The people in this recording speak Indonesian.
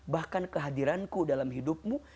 bahkan kehadiranku dalam hidupmu